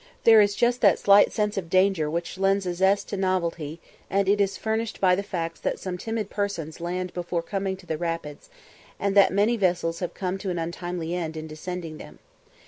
There is just that slight sense of danger which lends a zest to novelty, and it is furnished by the facts that some timid persons land before coming to the rapids, and that many vessels have come to an untimely end in descending them.